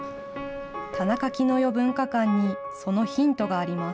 田中絹代ぶんか館にそのヒントがあります。